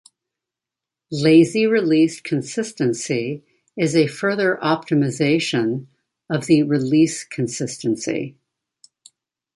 Lazy Release Consistency is a further optimization of the Release Consistency.